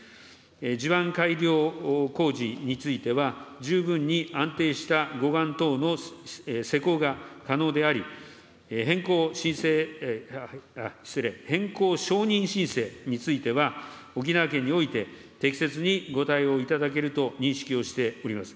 地盤改良工事については、十分に安定した護岸等の施工が可能であり、変更申請、失礼、変更承認申請については、沖縄県において適切にご対応いただけると認識しております。